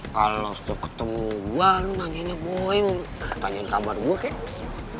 kalo setiap ketemu gue lo nanya nya boy mau tanyain kabar gue kayaknya